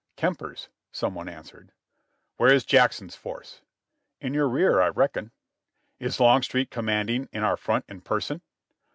"Kemper's," some one answered. "Where is Jackson's force ?" "In your rear, I reckon." "Is Longstreet commanding in our front in person?"